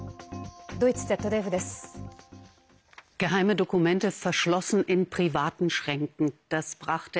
ドイツＺＤＦです。